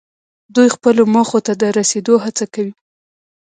دوی خپلو موخو ته د رسیدو هڅه کوي.